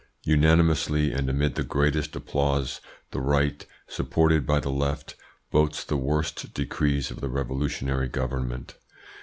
Unanimously and amid the greatest applause the Right, supported by the Left, votes the worst decrees of the revolutionary government.